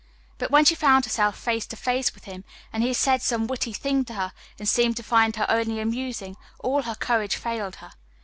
But when she found herself face to face with him and he said some witty thing to her and seemed to find her only amusing, all her courage failed her.